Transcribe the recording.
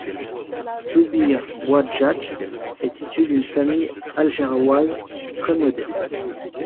Zoubir Bouadjadj est issu d'une famille algéroise très modeste.